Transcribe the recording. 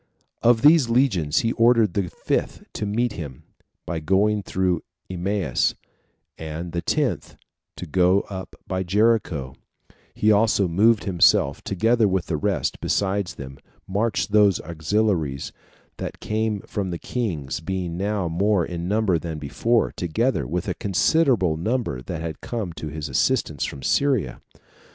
Of these legions he ordered the fifth to meet him, by going through Emmaus, and the tenth to go up by Jericho; he also moved himself, together with the rest; besides whom, marched those auxiliaries that came from the kings, being now more in number than before, together with a considerable number that came to his assistance from Syria.